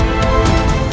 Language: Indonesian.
aku tidak mau